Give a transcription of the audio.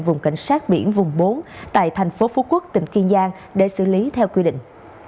vùng cảnh sát biển vùng bốn tại thành phố phú quốc tỉnh kiên giang để xử lý theo quy định